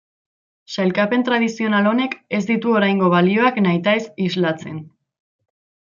Sailkapen tradizional honek ez ditu oraingo balioak nahitaez islatzen.